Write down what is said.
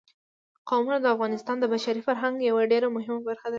قومونه د افغانستان د بشري فرهنګ یوه ډېره مهمه برخه ده.